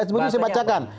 sebenarnya saya bacakan